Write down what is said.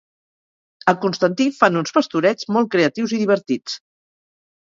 A Constantí fan uns Pastorets molt creatius i divertits.